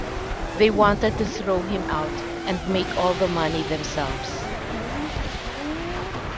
They wanted to throw him out and make all the money themselves.